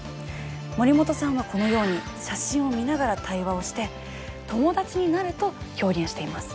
森本さんはこのように写真を見ながら対話をして「友達になる」と表現しています。